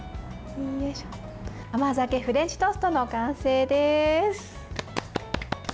甘酒フレンチトーストの完成です。